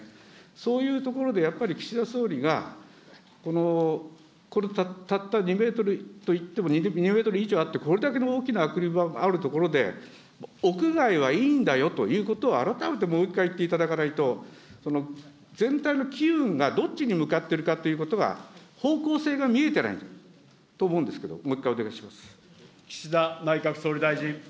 そういうところでやっぱり岸田総理が、このたった２メートルといっても、２メートル以上あって、これだけの大きなアクリル板がある所で、屋外はいいんだよということを改めてもう一回言っていただかないと、全体の機運がどっちに向かっているかということが、方向性が見えてないと思うんですけど、もう一回お願いします。